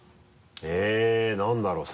えぇ何だろう？